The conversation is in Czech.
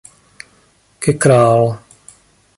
Ke Král.